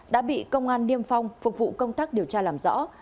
đã bị công an niêm phong phục vụ công tác điều tra làm rõ